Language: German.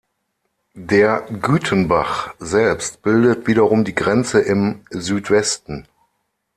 Der Gütenbach selbst bildet wiederum die Grenze im Südwesten.